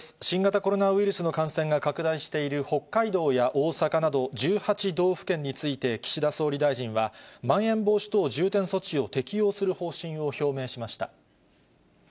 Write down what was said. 新型コロナウイルスの感染が拡大している北海道や大阪など１８道府県について、岸田総理大臣は、まん延防止等重点措置を適用する方針を表明しました。